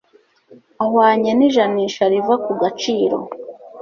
ahwanye n'ijanisha riva ku gaciro